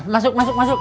masuk masuk masuk